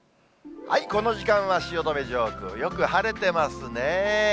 この時間は汐留上空、よく晴れてますね。